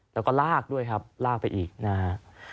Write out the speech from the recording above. แล้วก็ลากด้วยครับลากไปอีกนะฮะ